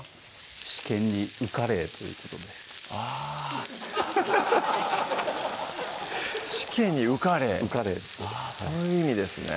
試験に受かれーということであぁ試験に受かれー受かれーそういう意味ですね